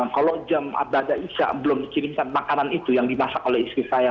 kalau jam abadah isya belum dikirimkan makanan itu yang dimasak oleh istri saya